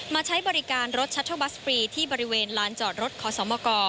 ใช้บริการรถชัตเทิลบัสฟรีที่บริเวณลานจอดรถขอสมก